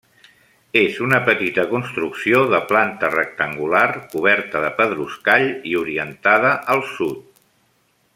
És una petita construcció de planta rectangular coberta de pedruscall i orientada al Sud.